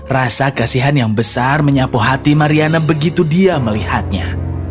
rasa kasihan yang besar menyapu hati mariana begitu dia melihatnya